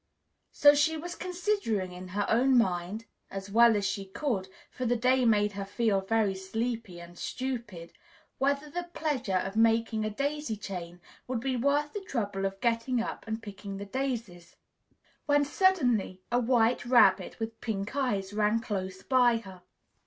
So she was considering in her own mind (as well as she could, for the day made her feel very sleepy and stupid), whether the pleasure of making a daisy chain would be worth the trouble of getting up and picking the daisies, when suddenly a White Rabbit with pink eyes ran close by her.